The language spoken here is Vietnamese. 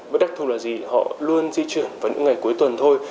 vẫn đắc thu là gì họ luôn di chuyển vào những ngày cuối tuần thôi